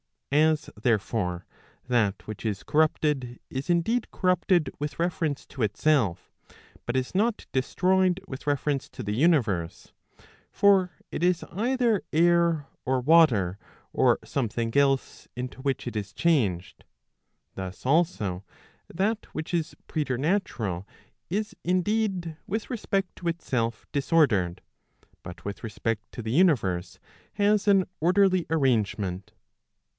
As therefore, that which is corrupted, is indeed corrupted with reference to itself, but is not destroyed with reference to the universe; for it is either air or water, or something else into which it is changed; thus also that which is preter¬ natural, is indeed with respect to itself disordered, but with respect to the universe has an orderly arrangement.